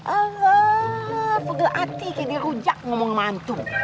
aduh pegel hati jadi rujak ngomong sama antum